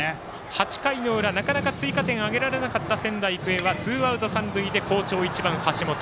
８回の裏、なかなか追加点を挙げられなかった仙台育英はツーアウト、三塁で好調１番、橋本。